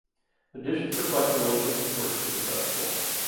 The dishes reflect the religious importance of the festival.